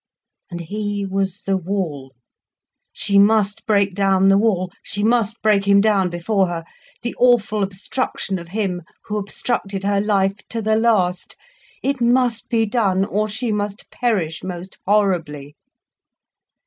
And he was the wall. She must break down the wall—she must break him down before her, the awful obstruction of him who obstructed her life to the last. It must be done, or she must perish most horribly.